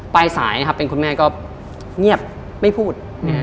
ปลายสายนะครับเป็นคุณแม่ก็เงียบไม่พูด